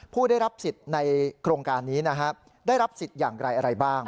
ผู้ได้รับสิทธิ์ในโครงการนี้นะครับได้รับสิทธิ์อย่างไรอะไรบ้าง